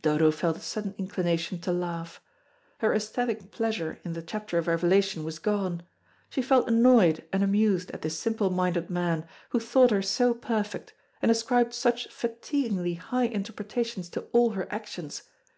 Dodo felt a sudden inclination to laugh. Her æsthetic pleasure in the chapter of Revelation was gone. She felt annoyed and amused at this simple minded man, who thought her so perfect, and ascribed such fatiguingly high interpretations to all her actions.